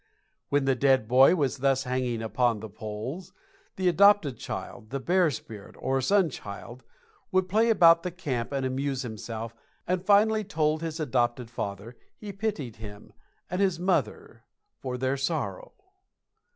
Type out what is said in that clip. When the dead boy was thus hanging upon the poles, the adopted child, the Bear Spirit, or Sun child, would play about the camp and amuse himself, and finally told his adopted father he pitied him and his mother for their sorrow.